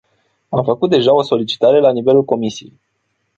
Am făcut deja o solicitare la nivelul comisiei.